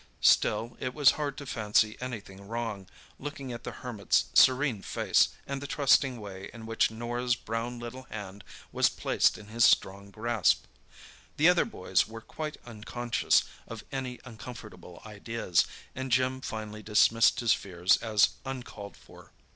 Still it was hard to fancy anything wrong, looking at the Hermit's serene face, and the trusting way in which Norah's brown little hand was placed in his strong grasp. The other boys were quite unconscious of any uncomfortable ideas, and Jim finally dismissed his fears as uncalled for.